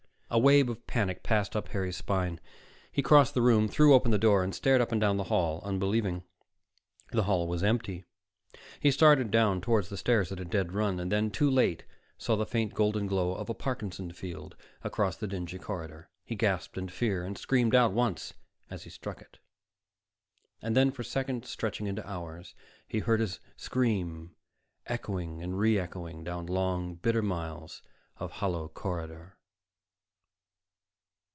A wave of panic passed up Harry's spine; he crossed the room, threw open the door, stared up and down the hall, unbelieving. The hall was empty. He started down toward the stairs at a dead run, and then, too late, saw the faint golden glow of a Parkinson Field across the dingy corridor. He gasped in fear, and screamed out once as he struck it. And then, for seconds stretching into hours, he heard his scream echoing and re echoing down long, bitter miles of hollow corridor.